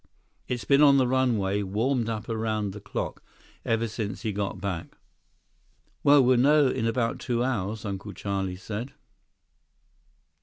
It's been on the runway, warmed up around the clock, ever since he got back." "Well, we'll know in about two hours," Uncle Charlie said.